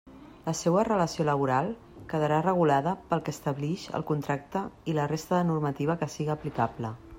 La seua relació laboral quedarà regulada pel que establix el contracte i la resta de normativa que siga aplicable.